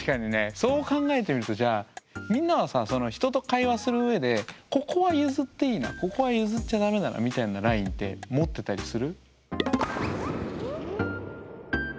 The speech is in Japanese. そう考えてみるとじゃあみんなはさ人と会話するうえでここは譲っていいなここは譲っちゃ駄目だなみたいなラインって持ってたりする？